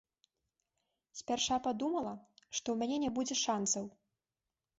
Спярша падумала, што ў мяне не будзе шанцаў.